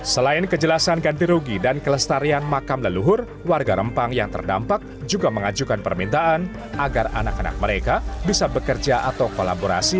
selain kejelasan ganti rugi dan kelestarian makam leluhur warga rempang yang terdampak juga mengajukan permintaan agar anak anak mereka bisa bekerja atau kolaborasi